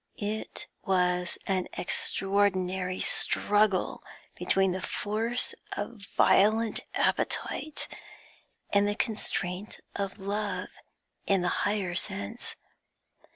It was an extraordinary struggle between the force of violent appetite and the constraint of love in the higher sense.